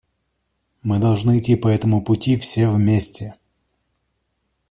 Мы должны идти по этому пути все вместе.